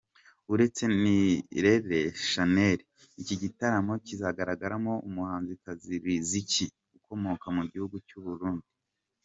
Uretse Nirere Shanel, iki gitaramo kizagaragaramo umuhanzi Riziki ukomoka mu gihugu cy’u Burundi.